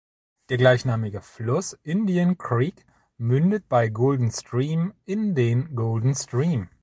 Der gleichnamige Fluss Indian Creek mündet bei Golden Stream in den Golden Stream.